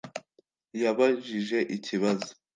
yabajije ikibazo